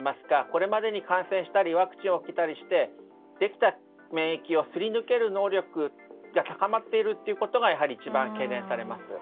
これまでに感染したりワクチンを受けたりしてできた免疫をすり抜ける能力が高まっているということが一番懸念されます。